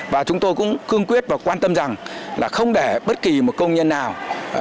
và chúng tôi cũng cương quyết và quan tâm rằng là không để bất kỳ một công nhân nào